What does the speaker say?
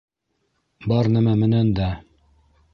Бар нәмә менән дә?